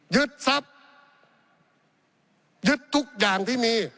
ยึดทรัพย์ยึดทุกอย่างที่มี